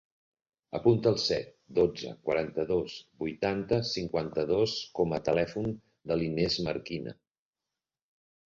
Apunta el set, dotze, quaranta-dos, vuitanta, cinquanta-dos com a telèfon de l'Inés Marquina.